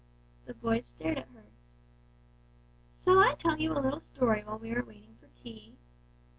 The boys stared at her. "Shall I tell you a little story while we are waiting for tea?"